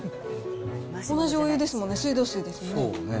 同じお湯ですもんね、水道水ですもんね。